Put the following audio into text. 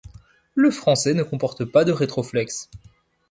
Le français ne comporte pas de rétroflexe.